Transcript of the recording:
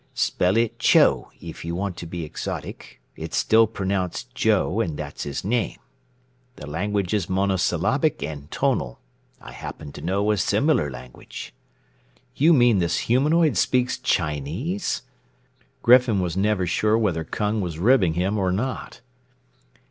"Spell it Chou if you want to be exotic. It's still pronounced Joe and that's his name. The language is monosyllabic and tonal. I happen to know a similar language." "You mean this humanoid speaks Chinese?" Griffin was never sure whether Kung was ribbing him or not.